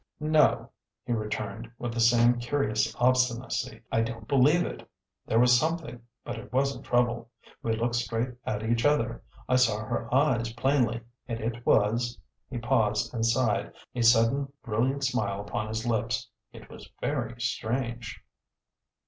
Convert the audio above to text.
"No," he returned, with the same curious obstinacy, "I don't believe it. There was something, but it wasn't trouble. We looked straight at each other; I saw her eyes plainly, and it was " he paused and sighed, a sudden, brilliant smile upon his lips "it was very it was very strange!"